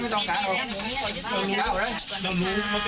แต่ใจมาก